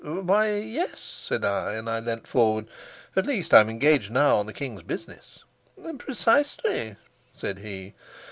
"Why, yes," said I, and I leaned forward. "At least I'm engaged now on the king's business." "Precisely," said he.